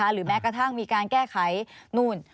หรือแม้กระทั่งมีการแก้ไขนู่น